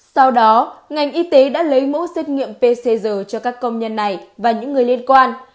sau đó ngành y tế đã lấy mẫu xét nghiệm pcr cho các công nhân này và những người liên quan